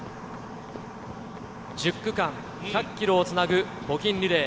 １０区間１００キロをつなぐ募金リレー。